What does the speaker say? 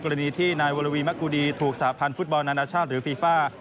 กรณีที่นายวรวีมะกูดีถูกสาพันธ์ฟุตบอลนานาชาติหรือฟีฟ่า